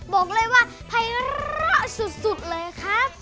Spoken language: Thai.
บอกเลยว่าไพระสุดเลยครับ